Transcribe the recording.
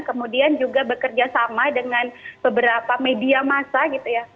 kemudian juga bekerja sama dengan beberapa media masa gitu ya